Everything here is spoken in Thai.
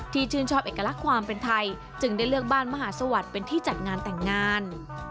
ชื่นชอบเอกลักษณ์ความเป็นไทยจึงได้เลือกบ้านมหาสวัสดิ์เป็นที่จัดงานแต่งงาน